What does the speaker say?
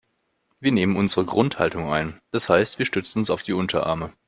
Wir nehmen unsere Grundhaltung ein, das heißt wir stützen uns auf die Unterarme.